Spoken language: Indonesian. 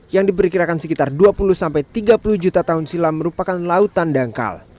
yang diperkirakan sekitar dua puluh tiga puluh juta tahun silam merupakan lautan dangkal